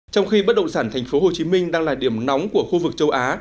trong khi bất động sản thành phố hồ chí minh đang là điểm nóng của khu vực châu á